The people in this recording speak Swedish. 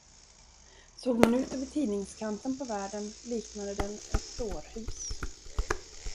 Såg man ut över tidningskanten på världen, liknade den ett dårhus.